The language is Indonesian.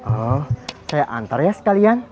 oh saya antar ya sekalian